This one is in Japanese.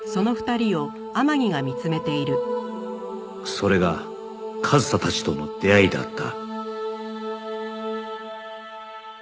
それが和沙たちとの出会いだった